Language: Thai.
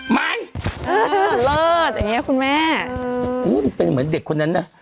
ไม่เออเลิศอย่างเงี้ยคุณแม่อุ้ยมันเป็นเหมือนเด็กคนนั้นน่ะ